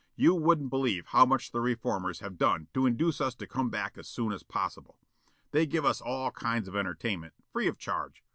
You wouldn't believe how much the reformers have done to induce us to come back as soon as possible. They give us all kinds of entertainment, free of charge.